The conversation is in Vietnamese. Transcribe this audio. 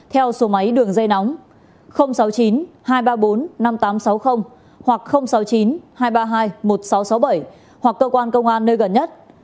theo số máy đường dây nóng sáu mươi chín hai trăm ba mươi bốn năm nghìn tám trăm sáu mươi hoặc sáu mươi chín hai trăm ba mươi hai một nghìn sáu trăm sáu mươi bảy hoặc cơ quan công an nơi gần nhất